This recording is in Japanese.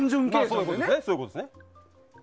そういうことですね。